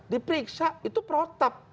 diperiksa itu protap